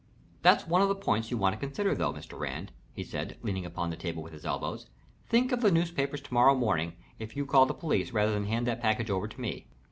"That's one of the points you want to consider, though, Mr. Rand," he said, leaning upon the table with his elbows. "Think of the newspapers to morrow morning if you call the police rather than hand that package over to me.